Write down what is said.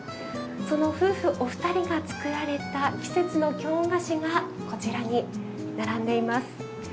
その夫婦お二人が作られた季節の京菓子がこちらに並んでいます。